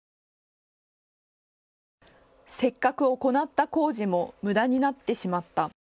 せっかく行った工事もむだになってしまった。